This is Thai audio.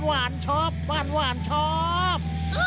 หวานชอบหวานชอบ